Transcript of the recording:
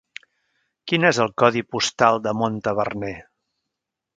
Quin és el codi postal de Montaverner?